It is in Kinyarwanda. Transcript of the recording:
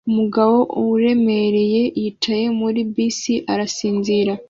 Umugabo uremereye yicaye muri bisi arasinzira